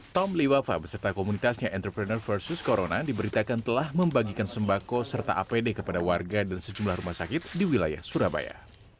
tom liwafa beserta komunitasnya entrepreneur versus corona diberitakan telah membagikan sembako serta apd kepada warga dan sejumlah rumah sakit di wilayah surabaya